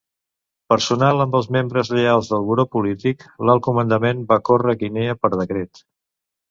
Personal amb els membres lleials del Buró Polític, l'Alt Comandament va córrer Guinea per decret.